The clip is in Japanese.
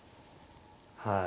はい。